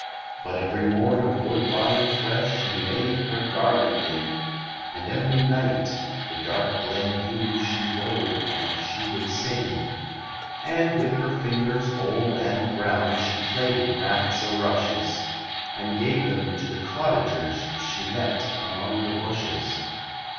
But every morn of woodbine fresh She made her garlanding, And every night the dark glen Yew She wove, and she would sing. And with her fingers old and brown She plaited Mats o' Rushes, And gave them to the Cottagers She met among the Bushes.